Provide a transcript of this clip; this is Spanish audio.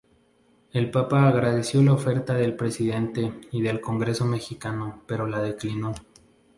El Papa agradeció la oferta del presidente y del Congreso mexicano pero la declinó.